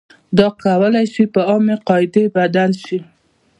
دا کولای شي په عامې قاعدې بدل شي.